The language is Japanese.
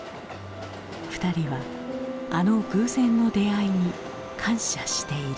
２人はあの偶然の出会いに感謝している。